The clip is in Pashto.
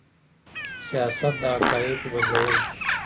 سياست د حقايقو بدلول دي.